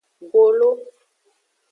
Golo.